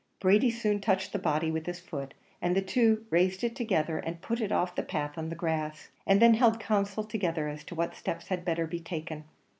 Brady soon touched the body with his foot; and the two raised it together, and put it off the path on the grass, and then held a council together, as to what steps had better be taken.